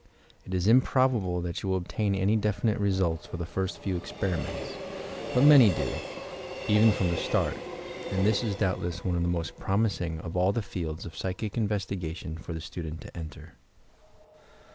It is improbable that you will obtain any definite results for the first few experi ments, — but many do, even from the start, and this is doubtless one of the most promising of all the fields of psychic investigation for the student to enter.